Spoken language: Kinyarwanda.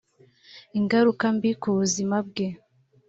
ingaruka mbi ku buzima bwe